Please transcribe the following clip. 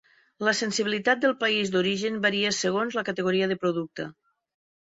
La sensibilitat pel país d'origen varia segons la categoria de producte.